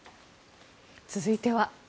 続いては。